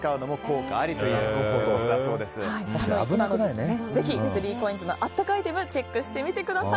寒い時期、ぜひ３ＣＯＩＮＳのあったかアイテムをチェックしてみてください。